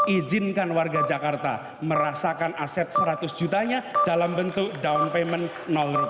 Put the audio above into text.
ijinkan warga jakarta merasakan aset rp seratus dalam bentuk down payment rp